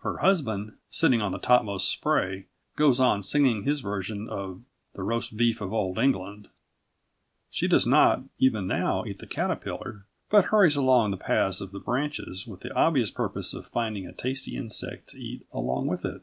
Her husband, sitting on the topmost spray, goes on singing his version of The Roast Beef of Old England. She does not even now eat the caterpillar, but hurries along the paths of the branches with the obvious purpose of finding a tasty insect to eat long with it.